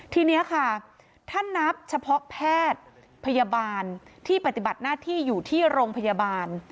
ทีนี้ค่ะถ้านับเฉพาะแพทย์พยาบาลที่ปฏิบัติหน้าที่อยู่ที่โรงพยาบาล